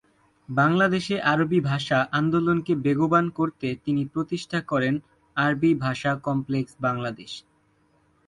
বাংলাদেশে আরবি ভাষা আন্দোলনকে বেগবান করতে তিনি প্রতিষ্ঠা করেন ‘আরবি ভাষা কমপ্লেক্স বাংলাদেশ’।